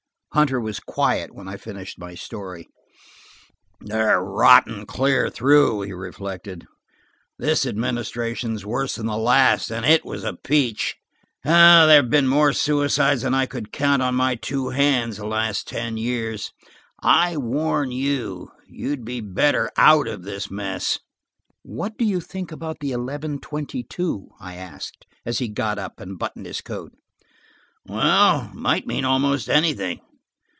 Hunter was quiet when I finished my story. "They're rotten clear through," he reflected. "This administration is worse than the last, and it was a peach. There have been more suicides than I could count on my two hands, in the last ten years. I warn you–you'd be better out of this mess." "What do you think about the eleven twenty two?" I asked as he got up and buttoned his coat. "Well, it might mean almost anything.